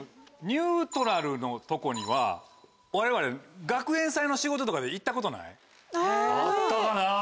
ニュートラルのとこには我々学園祭の仕事とかで行ったことない？あったかな？